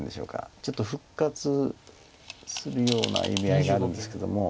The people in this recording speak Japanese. ちょっと復活するような意味合いがあるんですけども。